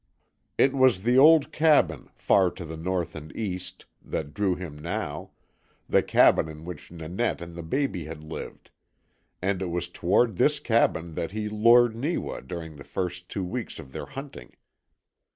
It was the old cabin, far to the north and east, that drew him now the cabin in which Nanette and the baby had lived; and it was toward this cabin that he lured Neewa during the first two weeks of their hunting.